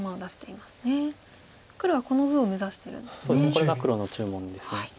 これが黒の注文です。